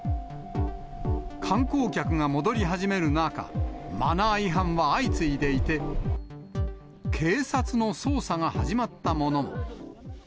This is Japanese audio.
観光客が戻り始める中、マナー違反は相次いでいて、警察の捜査が始まったものも。